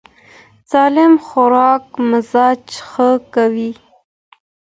سالم خوراک مزاج ښه کوي.